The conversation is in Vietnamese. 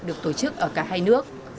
được tổ chức ở cả hai nước